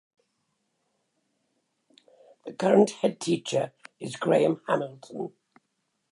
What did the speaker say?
The current headteacher is Graham Hamilton.